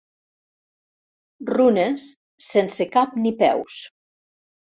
Runes sense cap ni peus.